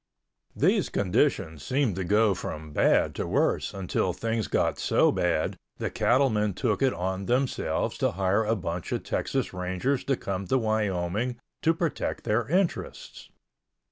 These conditions seemed to go from bad to worse until things got so bad the cattlemen took it on themselves to hire a bunch of Texas Rangers to come to Wyoming to protect their interests.